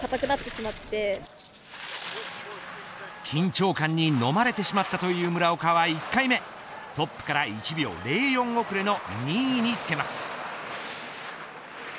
緊張感にのまれてしまったという村岡は、１回目トップから１秒０４遅れの２位につけます。